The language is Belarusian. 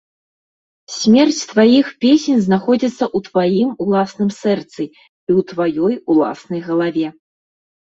Смерць тваіх песень знаходзіцца ў тваім уласным сэрцы і ў тваёй уласнай галаве.